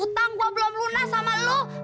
utang gue belum luna sama lo